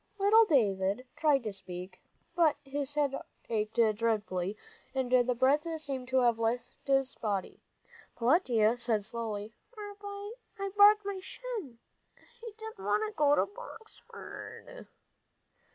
Little David tried to speak, but his head ached dreadfully, and the breath seemed to have left his body. Peletiah said slowly, "I barked my shin, and I didn't want to go to Boxford."